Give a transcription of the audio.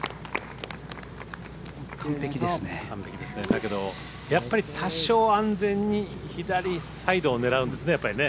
だけど、やっぱり多少安全に左サイドを狙うんですねやっぱりね。